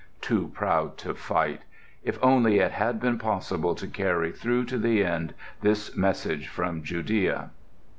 Too proud to fight!... If only it had been possible to carry through to the end this message from Judea!